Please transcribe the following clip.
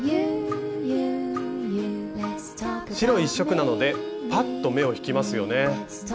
白１色なのでパッと目を引きますよね。